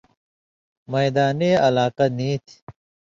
میدانی علاقہ نی تھی۔